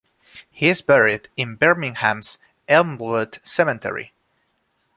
He is buried in Birmingham's Elmwood Cemetery.